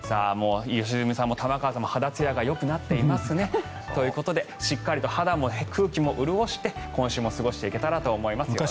もう、良純さんも玉川さんも肌ツヤがよくなっていますね。ということでしっかりと肌も空気も潤おして今週も過ごしていけたらと思います。